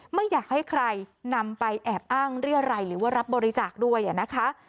ไม่อยากให้ใครนำไปแอบอ้างเรียรัยหรือว่ารับบริจาคด้วยนะคะ